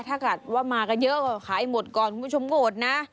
ถ้าเกิดว่ามากันเยอะก็ขายหมดก่อนคุณผู้ชมโกรธนะ